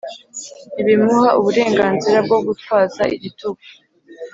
ntibimuha uburenganzira bwo gutwaza igitugu